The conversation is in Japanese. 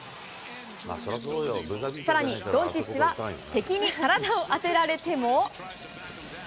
さらに、ドンチッチは、敵に体を当てられても。